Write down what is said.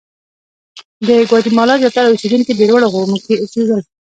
د ګواتیمالا زیاتره اوسېدونکي په لوړو غرونو کې اوسېدل.